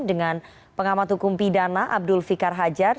dengan pengamat hukum pidana abdul fikar hajar